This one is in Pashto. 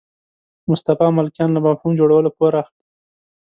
مصطفی ملکیان له مفهوم جوړولو پور اخلي.